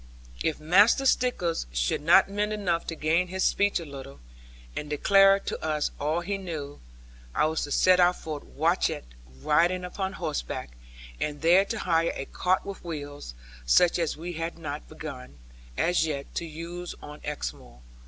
If Master Stickles should not mend enough to gain his speech a little, and declare to us all he knew, I was to set out for Watchett, riding upon horseback, and there to hire a cart with wheels, such as we had not begun, as yet, to use on Exmoor.